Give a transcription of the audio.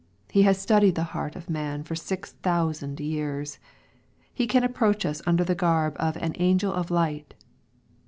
He has studied the heart of man for six thousand years. He can approach us under the garb of an " angel of light."